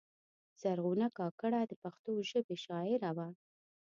زرغونه کاکړه د پښتو ژبې شاعره وه.